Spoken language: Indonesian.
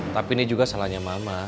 tapi ini juga salahnya mama